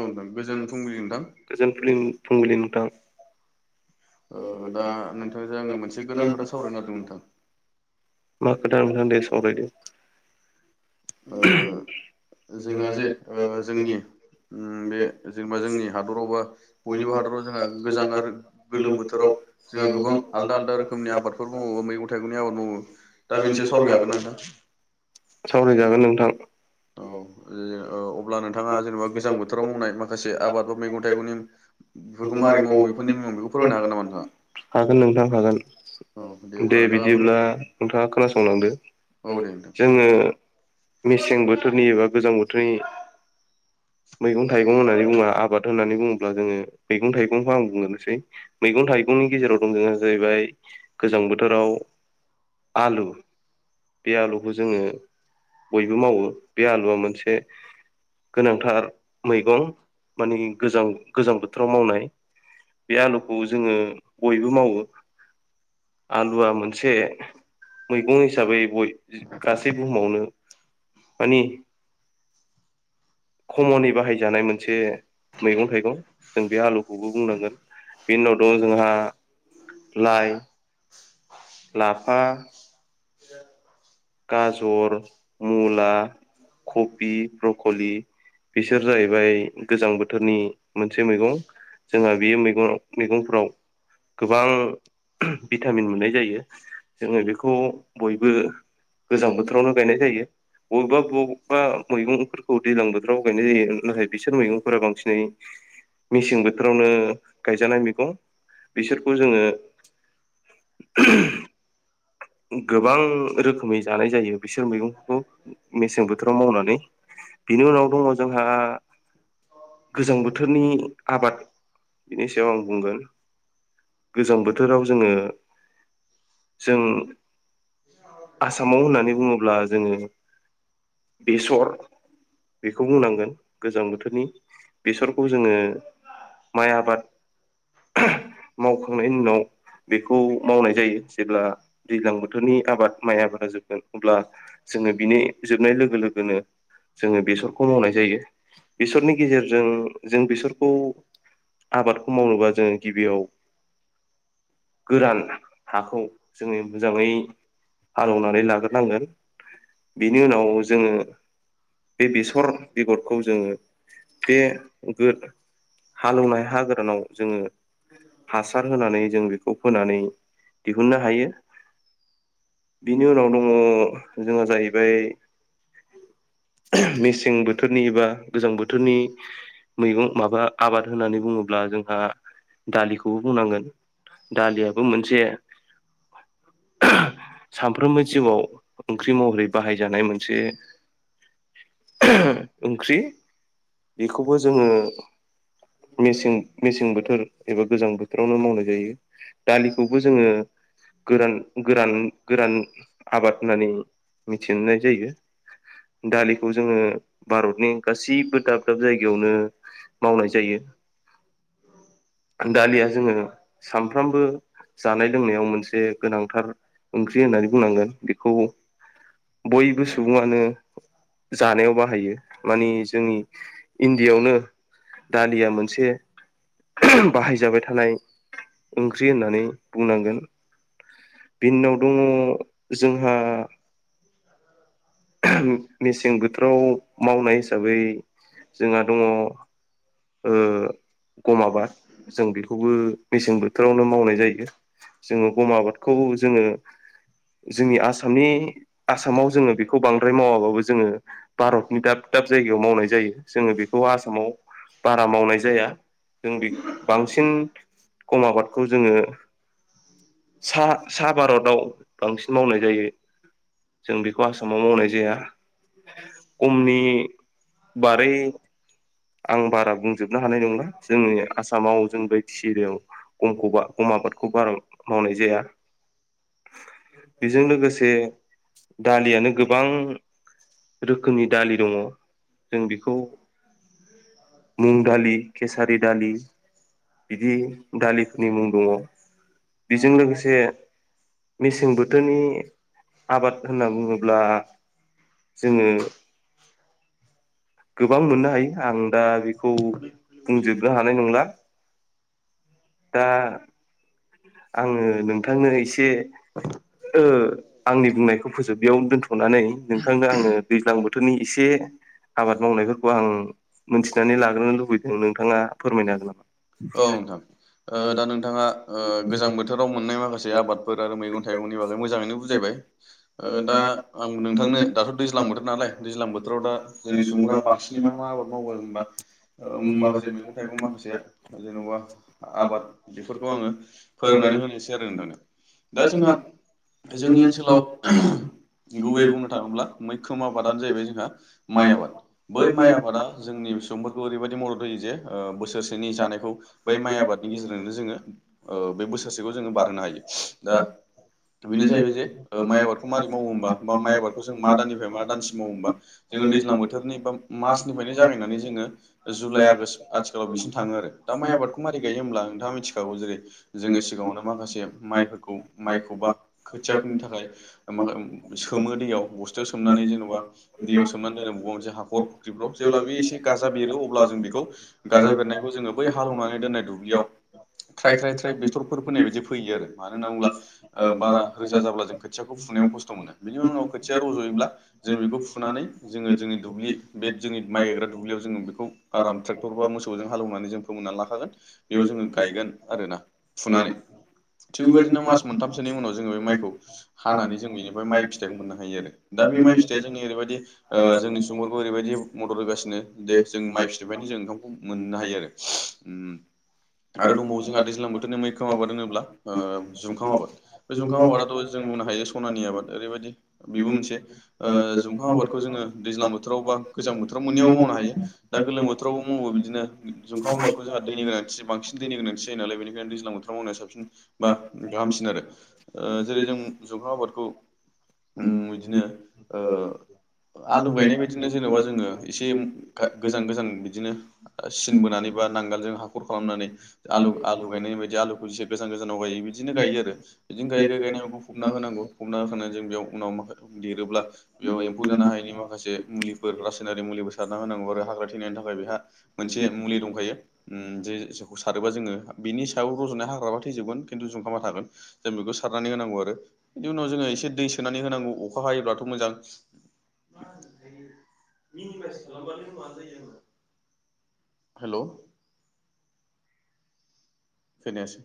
औ नोंथां गोजोन फुंबिलि नोंथां गोजोन फुंबिलि नोंथां दा नोंथांजों आङो मोनसे गोनां खोथा सावरायनो नागिरदों नोंथां मा खोथा नोंथां दे सावरायदो ओ जोंहा जे जोंनि बे जेनेबा जोंनि हादराव बा बयनिबो हादराव जोंहा गोजां आरो गोलोम बोथोराव जोंहा गोबां आलदा - आलदा रोखोमनि आबादफोर मावो मैगं- थाइगंनि आबाद मावो दा बेनि सावरायनो हागोन ना नोंथां सावरायजागोन नोंथां औ ओ अब्ला नोंथाङा जेनेबा गोजां बोथोराव मावनाय माखासे आबाद बा मैगं- थाइगंनि बेफोरखौ मोरै मावो बेफोरनि मुं बेखौ फरमायनो हागोन नामा नोंथांआ हागोन नोंथां हागोन दे अब्ला नोंथाङा फोर बिदिब्ला नोंथाङा खोनासंलांदो औ दे नोंथां जोङो मेसें बोथोरनि एबा गोजां बोथोरनि मैगं -थाइगं होननानै बुङा आबाद होननानै बुङोब्ला जोङो मैगं- थाइगंखौ आं बुंगोनोसै मैगं थाइगंनि गेजेराव दं जोंहा जाहैबाय गोजां बोथोराव आलु बे आलुखौ जोङो बयबो मावो बे आलुआ मोनसे गोनांथार मैगं मानि गोजां गोजां बोथोराव मावनाय। बे आलुखौ जोङो बयबो मावो। आलुआ मोनसे मैगं हिसाबै बय गासै बुहुमावनो मानि खमनै बाहायजानाय मोनसे मैगं थाइगं जों बे आलुखौबो बुंनांगोन बेनि उनावथ' जोंहा लाइ लाफा [inaudible] गाजर मुला कबि ब्रकलि बिसोर जाहैबाय गोजां बोथोरनि मोनसे मैगं। जोंहा बेयो मैगं मैगंफोराव गोबां भिटामिन मोननाय जायो जोङो बेखौ बयबो गोजां बोथोरावनो गायनाय जायो बबेबा बबेबा मैगंफोरखौ दैज्लां बोथोराव गायनाय जायो नाथाय बिसोर मैगंफोरा बांसिनै मेसें बोथोरावनो गायजानाय मैगं। बिसोरखौ जोङो [inaudible] गोबां रोखोमनि जानाय जायो बिसोर मैगंखौ मेसें बोथोराव मावनानै। बिनि उनाव दङ जोंहा गोजां बोथोरनि आबाद बिनि सायाव आं बुंगोन। गोजां बोथोराव जोङो जों आसामाव होननानै बुङोब्ला जोङो बेसर बेखौ बुंनांगोन गोजां बोथोरनि बेसरखौ जोङो माइ आबाद मावखांनायनि उनाव बेखौ मावनाय जायो जेब्ला दैज्लां बोथोरनि आबाद माइ आबाद अब्ला जोङो बिनि नाय लोगो लोगोनो जोङो बेसरखौ मावनाय जायो। बेसरनि गेजेरजों जों बेसरखौ आबादखौ मावनोबा जोङो गिबियाव गोरान हाखौ जोङो मोजाङै हालौनानै लाग्रोनांगोन बेनि उनाव जोङो बे बेसर बिगरखौ जोङो बे गोद हालेवनाय हा गोरानाव जोङो हासार होनानै जों बेखौ फोनानै दिहुननो हायो। बिनि उनाव दङ जोंहा जाहैबाय [inaudible] मेसें बोथोरनि बा गोजां बोथोरनि मैगं माबा आबाद होननानै बुङोब्ला जोंहा दालिखौबो बुंनांगोन दालियाबो मोनसे [inaudible] सानफ्रोमबो जिउआव ओंख्रि महरै बाहायजानाय मोनसे ओंख्रि बेखौबो जोङो मेसें मेसें बोथोर एबा गोजां बोथोरावनो मावनाय जायो दालिखौबो जोङो गोरान गोरान गोरान आबाद होननानै मिथिनाय जायो। दालिखौ जोङो भारतनि गासैबो दाब दाब जायगायावनो मावनाय जायो [inaudible] दालिया जोङो सामफ्रामबो जानाय लोंनायाव मोनसे गोनांथार ओंख्रि होननानै बुंनांगोन बेखौ बयबो सुबुङानो। जानायाव बाहायो मानि जोंनि इण्डियाआवनो दालिया मोनसे बाहायजाबाय थानाय। ओंख्रि होननानै बुंनांगोन। बिनि उनाव दङ जोंहा मेसें बोथोराव मावनाय हिसाबै जोंहा दङ ओ गम आबाद जों बेखौबो मेसें बोथोरावनो मावनाय जायो जोङो गम आबादख खौ जोङो जोंनि आसामनि आसामाव जोङो बेखौ बांद्राय मावाबाबो जोङो भारतनि दाब दाब जायगायाव मावनाय जायो जोङो बेखौ आसामाव बारा मावनाय जाया जों बेख बांसिन गम आबादखौ जोङो [inaudible] सा सा भारताव बांसिन मावनाय जायो। जों बेखौ आसामाव मावनाय जाया गमनि बारै आं बारा बुंजोबनो हानाय नंला जोंनि आसामाव जों ब्रैथिसिरियाव गमखौबा गम आबादख खौ बारा मावनाय जाया। बेजों लोगोसे दालियानो गोबां रोखोमनि दालि दङ जों बेखौ मुं दालि केसारि दालि बिदि दालिफोरनि मुं दङ बेजों लोगोसे मेसेंबो थोरनि आबाद होनना बुङोब्ला जोङो गोबां मोननो हायो आं दा बेखौ बुंजोबनो हानाय नंला। दा आङो नोंथांनो एसे ओ आंनि बुंनायखौ फोजोब बेयावनो दोनथ'नानै नोंथांनो आङो दैज्लां बोथोरनि एसे आबाद मावनायफोरखौ आं मोन्थिनानै लाग्रोनो लुबैदों नोंथाङा फोरमायनो हागोन नामा? औ नोंथां। ओ दा नोंथाङा ओ गोजां बोथोराव मोननाय माखासे आबादफोर आरो मैगं थाइगंनि बागै मोजाङैनो बुजायबाय। ओ दा आं नोंथांनो दाथ' दैज्लां बोथोर नालाय दैज्लां बोथोराव दा जोंनि सुबुंफोरा बांस सिनि मा मा आबाद मावो होनबा ओ माखासेया मैगं थाइगं माखासेया जेन'बा आबाद बेफोरखौ आङो फोरोंनानै होनोसै आरो नोंथांनो दा जोंहा जोंनि ओनसोलाव गुबै बुंनो थाङोब्ला मैखोम आबादानो जाहैबाय जोंहा माइ आबाद बै माइ आबादा जोंनि निउ सुबुंफोरखौ ओरैबायदि मदद होयो जे ओ बोसोरसेनि जानायखौ बै माइ आबाद नि गेजेरजोंनो जोङो ओ बे बोसोरसेखौ जोङो बारहोनो हायो दा बेनो जाहैबाय जे ओ माइ आबादखौ मारै मावो होमबा बा माइ आबादखौ जों मा दाननिफ्राय मा दानसिम मावो होमबा जोङो दैज्लां बोथोरनि बा मार्चनिफ्रायनो जागायनानै जोङो ओ जुलाइ आगष्ट आथिखालाव बिसिम थाङो आरो दा दा माय आबादखौ मारै गायो होनब्ला नोंथाङा मिथिखागौ जेरै जोङो सिगाङावनो माखासे मायफोरखौ मायखौबा खोथिया फ फोनो थाखाय ओ मा खामो सोमो दैयाव बस्थायाव सोमनानै जेनेवबा दैयाव सोमनानै दोनो बबेबा मोनसे हा हाखर फुख्रिफ्राव जेब्ला बे एसे गाजा बेरो अब्ला जों बेखौ गाजा बेरनायखौ जोङो बै हालेवनानै दोन्नाय दु बियाव थ्राय थ्राय थ्राय बेथरफोर फोनाय बायदि फैयो आरो मानो होनना बुंब्ला ओ बारा रोजा जाब्ला जों खोथियाखौ फुनो नायाव खस्ट' मोनो बेनि उनाव खोथिया रज'योब्ला जों बेखौ फुनानै जोङो जोंनि दुब्लि बे जोंनि मा माइ गायग्रा दुब्लियाव जोङो बेखौ आराम टेक्टर बा मोसौजों हालौनानै फोमोन्ना लाखागोन। बेयाव जोङो गायगोन आरोना फुनानै थिग बेबायदिनो मास मोनथामसोनि उनाव जोङो बे माइखौ हानानै जों बेनिफ्राय माइ फिथाइखौ मोननो हायो आरो दा बे माइ फिथाया जोंनि ओैरैबायदि ओ जोंनि सुबुंफोरखौ ओरैबायदि मदद होगासिनो दे जों माइ फिथबायनि जों बिफांखौ मोननो हायो आरो उम आरो दंबावो जोंहा दैज्लां बोथोरनि मैखोम आबाद होनोब्ला ओ जुंखाम आबाद बे जुंखाम आबादाथ' जों नुनो हाय बे सनानि आबाद ओरैबायदि बेबो मोनसे ओ जुंखाव आबादखौ जोङो दैज्लां बोथोराव बा गोजां बोथोराव मोनैबो मावनो हायो दा गोलोम बोथोरावबो मावो बिदिनो जुंखाम आबादखौ जोंहा दैनि गोनां बे बांसिन दैनि गोनांसिन जायो नालाय बेनिखायनो दैज्लां बोथाराव मावनाया साबसिन बा गाहामसिन आरो ओ जेरै जों [unintelligible] जखाम आबादखौ उम बिदिनो ओ आलु गायनाय बायदिनो जेनेबा जोंङो एसे गोजान गोजां बिदिनो सिन बोनानैबो बा नांगाल जों हा खालामनानै आलु आलु गायनाय बायदि आलुखौ इसे गोजान गोजानाव गायो बिदिनो गायो आरो बिदिनो गायो गायो बेगंरखौ फबना होनांगौ फबना होनानै जों बेयाव उनाव माखासे देरोब्ला बेयाव एम्फौ जानो हायनि माखासे मुलिफोर रासायनारि मुलिफोर सारना होनांगौ आरो हाग्रा थैनायनि थाखाय बेहा मोनसे मुलि दंखायो। ओम जे जेखौ सारोबा जोंङो बिनि सायाव रज'नाय हाग्राबा थैजोबगोन खिन्थु जुंखामा थागोन जों बेखौ सार नानै होनांगौ आरो बिनि उनाव जोंङो एसे दै सोनानै होनांगौ अखा हायोब्लाथ' मोजां। [unintelligible] हेलौ। खोनायासै।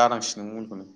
दादांसै नों मुलिखौनो।